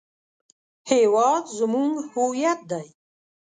هېواد زموږ هویت دی